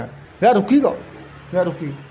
tidak rugi kok enggak rugi